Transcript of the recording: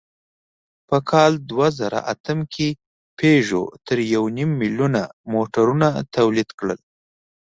په کال دوهزرهاتم کې پيژو تر یونیم میلیونه موټرونه تولید کړل.